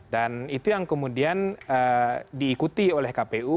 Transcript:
dan itu yang kemudian diikuti oleh kpu